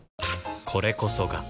これこそが